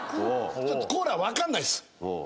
ちょっとコーラわかんないです。